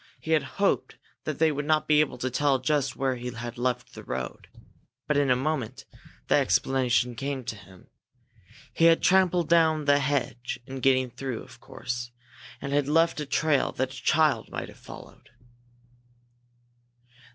He had hoped that they would not be able to tell just where he had left the road, but in a moment the explanation came to him. He had trampled down the hedge in getting through, of course, and had left a trail that a child might have followed.